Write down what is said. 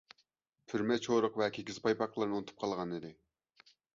پۈرمە چورۇق ۋە كىگىز پايپاقلىرىنى ئۇنتۇپ قالغانىدى.